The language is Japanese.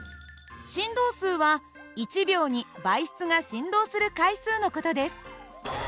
振動数は１秒に媒質が振動する回数の事です。